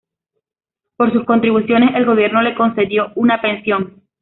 Por sus contribuciones, el gobierno le concedió una pensión.